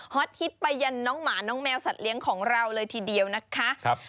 ฮิตไปยันน้องหมาน้องแมวสัตเลี้ยงของเราเลยทีเดียวนะคะ